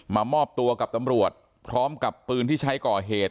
มอบตัวกับตำรวจพร้อมกับปืนที่ใช้ก่อเหตุ